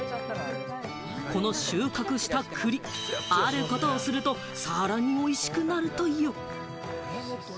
この収穫した栗、あることをするとさらに美味しくなるという。